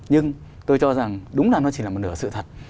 nhưng tôi cho rằng đúng là nó chỉ là một nửa sự thật